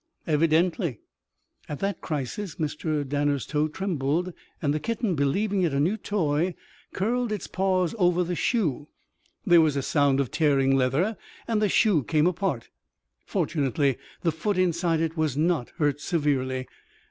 "Evidently." At that crisis Mr. Danner's toe trembled and the kitten, believing it a new toy, curled its paws over the shoe. There was a sound of tearing leather, and the shoe came apart. Fortunately the foot inside it was not hurt severely.